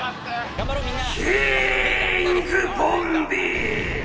頑張ろうみんな！